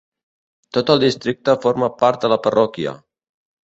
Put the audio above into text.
Tot el districte forma part de la parròquia.